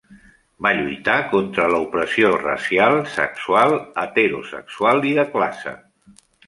Va lluitar contra l'opressió racial, sexual, heterosexual i de classe.